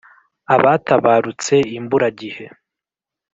abatabarutse imburagihe